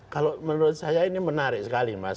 kalau menurut saya ini menarik sekali mas